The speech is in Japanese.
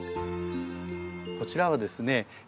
こちらはですね